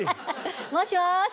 もしもし！